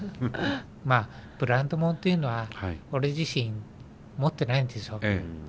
まあブランドものというのは俺自身持ってないんですよ。